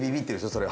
それ